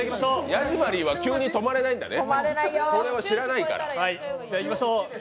ヤジマリーは急に止まれないんだね。